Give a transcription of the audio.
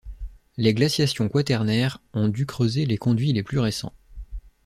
Les glaciations quaternaires ont dû creuser les conduits les plus récents.